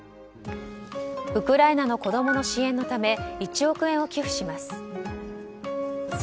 ウクライナの子供の支援のため１億円を寄付します。